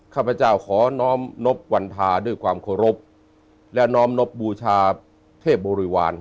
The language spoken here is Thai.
ข้าพเจ้าขอน้อมนบวันพาด้วยความเคารพและน้อมนบบูชาเทพบริวาร